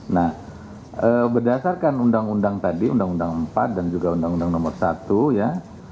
nah berdasarkan undang undang tadi undang undang empat dan juga undang undang nomor satu ya